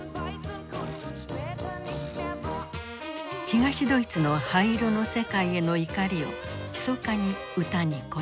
東ドイツの灰色の世界への怒りをひそかに歌に込めた。